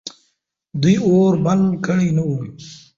دوی اور بل کړی نه و.